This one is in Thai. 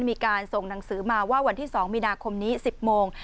มีการส่งหนังสือมาว่าวันที่๒มีนาคมนี้๑๐โมง